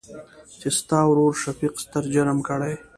چې ستا ورورشفيق ستر جرم کړى.